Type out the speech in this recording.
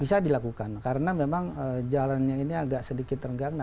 bisa dilakukan karena memang jalannya ini agak sedikit terenggang